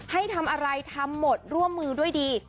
ให้ทำอะไรทำหมดร่วมมือด้วยดี